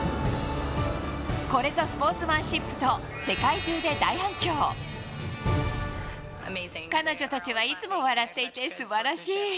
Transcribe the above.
これぞスポーツマンシップと、彼女たちはいつも笑っていて、すばらしい。